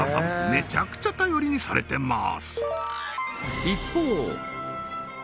めちゃくちゃ頼りにされてます